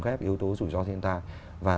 ghép yếu tố rủi ro thiên tai và